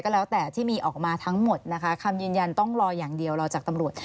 แล้วแต่ที่มีออกมาทั้งหมดนะคะคำยืนยันต้องรออย่างเดียวรอจากตำรวจ